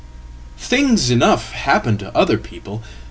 Things enough happen to other people.